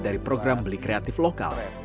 dari program beli kreatif lokal